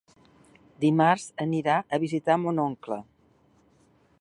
Dimarts irà a visitar mon oncle.